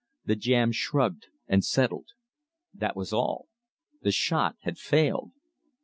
The jam shrugged and settled. That was all; the "shot" had failed.